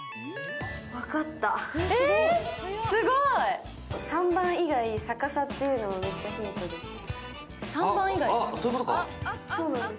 分かった、３番以外逆さというのがめっちゃヒントですね。